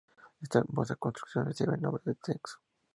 Esta hermosa construcción recibe el nombre de "Nexo".